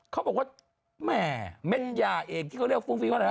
เขาบอกว่าแหม่เม็ดยาเองที่เขาเรียกฟุ้งฟิ้งว่าอะไร